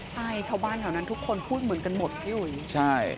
ใช่ชาวบ้านแถวนั้นทุกคนพูดเหมือนกันหมดพี่อุ๋ยใช่